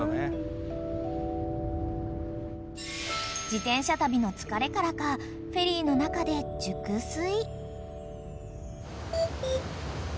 ［自転車旅の疲れからかフェリーの中で熟睡］